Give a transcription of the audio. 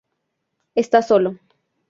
Está solo.